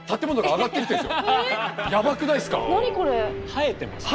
生えてますね。